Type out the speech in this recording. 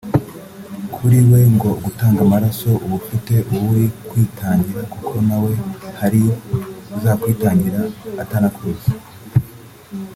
Kuri we ngo gutanga amaraso uba ufite uwo uri kwitangira kuko nawe hari uzakwitangira atanakuzi